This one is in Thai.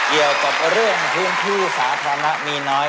เกี่ยวกับเรื่องพื้นที่สาธารณะมีน้อย